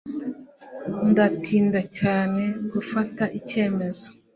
Ndatinda cyane gufata icyemezo.